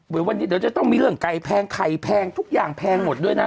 วันนี้เดี๋ยวจะต้องมีเรื่องไก่แพงไข่แพงทุกอย่างแพงหมดด้วยนะ